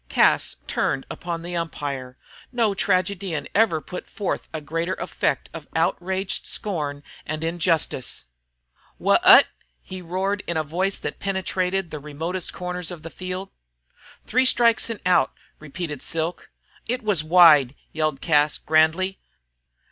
Cas turned upon the umpire. No tragedian ever put forth a greater effect of outraged scorn and injustice. "Wha at?" he roared in a voice that penetrated to the remotest corners of the field. "Three strikes and out!" repeated Silk. "It was wide," yelled Cas, grandly.